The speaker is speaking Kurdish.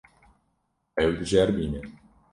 Ew diceribîne.